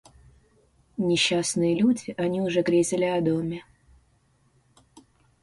Несчастные люди, они уже грезили о доме.